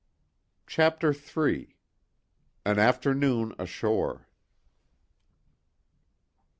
CHAPTER III AN AFTERNOON ASHORE.